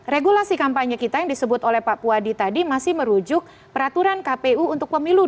regulasi kampanye kita yang disebut oleh pak puwadi tadi masih merujuk peraturan kpu untuk pemilu dua ribu dua puluh